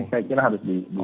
saya kira harus diubah ubah